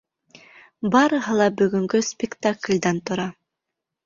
Барыһы ла бөгөнгө спектаклдән тора.